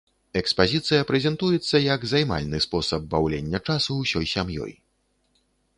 Экспазіцыя прэзентуецца як займальны спосаб баўлення часу ўсёй сям'ёй.